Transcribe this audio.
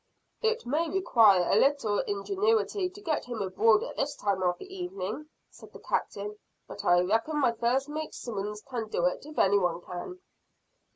"It may require a little ingenuity to get him aboard at this time of the evening," said the Captain. "But I reckon my first mate, Simmons, can do it, if any one can."